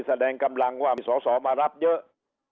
แสดงกำลังว่ามีสอสอมารับเยอะ